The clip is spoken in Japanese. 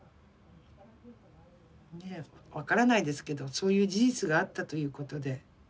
分からないですけどそういう事実があったということで。